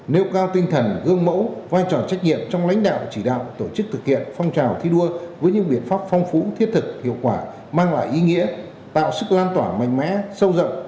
nêu cao tinh thần gương mẫu vai trò trách nhiệm trong lãnh đạo chỉ đạo tổ chức thực hiện phong trào thi đua với những biện pháp phong phú thiết thực hiệu quả mang lại ý nghĩa tạo sức lan tỏa mạnh mẽ sâu rộng